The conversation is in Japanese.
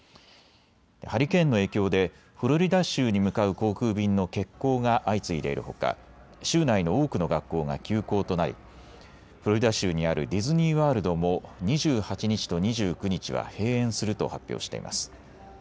ハリケーンの影響でフロリダ州に向かう航空便の欠航が相次いでいるほか州内の多くの学校が休校となりフロリダ州にあるディズニーワールドも２８日と２９日は閉園すると発表しています。